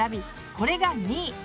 これが２位。